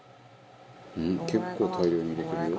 「うん？結構大量に入れてるよ」